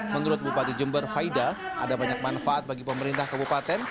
menurut bupati jember faida ada banyak manfaat bagi pemerintah kabupaten